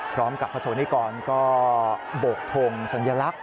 พร้อมกับพระสวนให้ก่อนก็บกทรงสัญลักษณ์